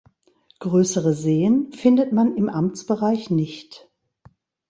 Größere Seen findet man im Amtsbereich nicht.